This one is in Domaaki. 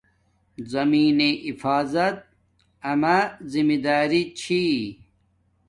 زمین نݵ احفاظت اما زمیداری چھی